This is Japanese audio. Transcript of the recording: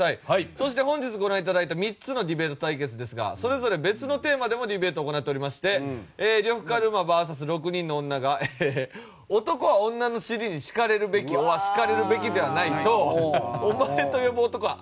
そして本日ご覧いただいた３つのディベート対決ですがそれぞれ別のテーマでもディベートを行っておりまして呂布カルマＶＳ６人の女が「男は女の尻に敷かれるべきｏｒ敷かれるべきではない」と「“お前”と呼ぶ男はアリｏｒナシ」。